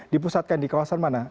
dipusatkan di kawasan mana